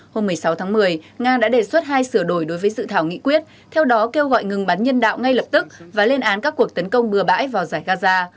hôm một mươi sáu tháng một mươi nga đã đề xuất hai sửa đổi đối với dự thảo nghị quyết theo đó kêu gọi ngừng bắn nhân đạo ngay lập tức và lên án các cuộc tấn công bừa bãi vào giải gaza